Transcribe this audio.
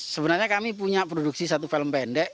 sebenarnya kami punya produksi satu film pendek